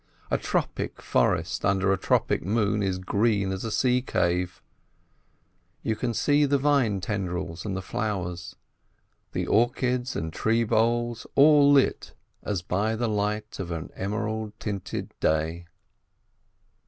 A tropic forest under a tropic moon is green as a sea cave. You can see the vine tendrils and the flowers, the orchids and tree boles all lit as by the light of an emerald tinted day.